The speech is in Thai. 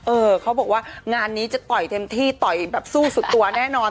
เออเขาบอกว่างานนี้จะต่อยเต็มที่ต่อยแบบสู้สุดตัวแน่นอน